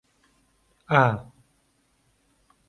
ئا.